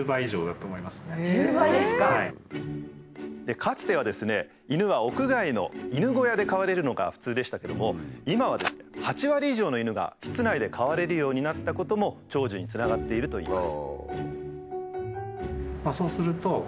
かつてはですね犬は屋外の犬小屋で飼われるのが普通でしたけども今はですね８割以上の犬が室内で飼われるようになったことも長寿につながっているといいます。